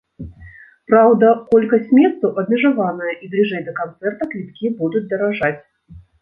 Праўда, колькасць месцаў абмежаваная і бліжэй да канцэрта квіткі будуць даражаць.